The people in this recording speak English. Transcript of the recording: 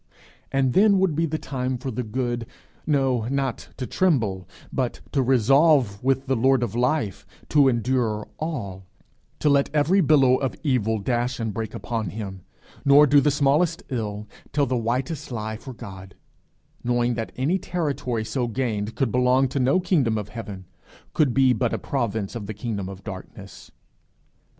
And then would be the time for the good no, not to tremble, but to resolve with the Lord of light to endure all, to let every billow of evil dash and break upon him, nor do the smallest ill, tell the whitest lie for God knowing that any territory so gained could belong to no kingdom of heaven, could be but a province of the kingdom of darkness.